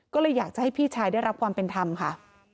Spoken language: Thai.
ก็เลยอยากจะให้พี่ชายได้รับความเป็นธรรมค่ะ